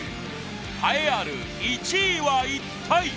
栄えある１位は一体？